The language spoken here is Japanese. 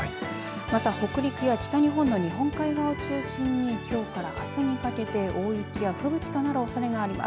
また、北陸や北日本の日本海側を中心にきょうからあすにかけて大雪や吹雪となるおそれがあります。